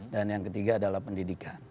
dan yang ketiga adalah pendidikan